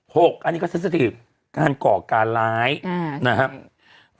หกอันนี้ก็สิทธิการก่อการร้ายนะครับ